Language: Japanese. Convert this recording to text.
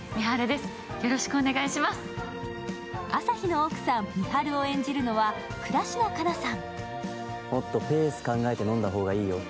旭の奥さん、美晴を演じるのは倉科カナさん。